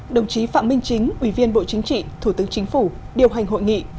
đồng chí phạm minh chính ủy viên bộ chính trị thủ tướng chính phủ điều hành hội nghị